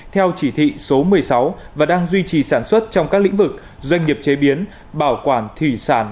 theo chỉ thị số một mươi sáu và đang duy trì sản xuất trong các lĩnh vực doanh nghiệp chế biến bảo quản thủy sản